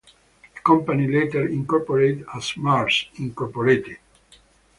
The company later incorporated as Mars, Incorporated.